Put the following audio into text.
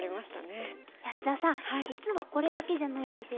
安田さん実はこれだけじゃないんですよね。